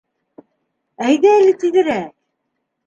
Әйҙә әле тиҙерәк!